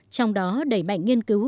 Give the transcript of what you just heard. trong đó đẩy mạnh nghiên cứu